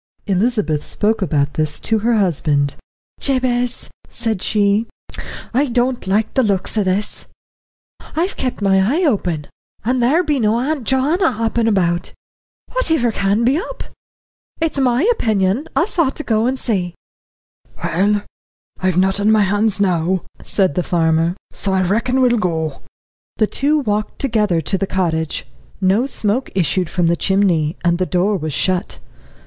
Elizabeth spoke about this to her husband. "Jabez," said she, "I don't like the looks o' this; I've kept my eye open, and there be no Auntie Joanna hoppin' about. Whativer can be up? It's my opinion us ought to go and see." "Well, I've naught on my hands now," said the farmer, "so I reckon we will go." The two walked together to the cottage. No smoke issued from the chimney, and the door was shut.